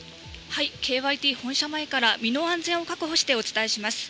ＫＹＴ本社前から身の安全を確保して、お伝えします。